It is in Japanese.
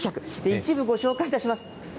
一部ご紹介いたします。